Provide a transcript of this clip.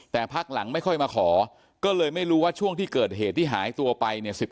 แต่พักหลังไม่ค่อยมาขอก็เลยไม่รู้ว่าช่วงที่เกิดเหตุที่หายตัวไปเนี่ย